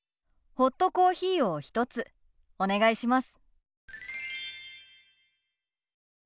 ホットコーヒーを１つお願いします。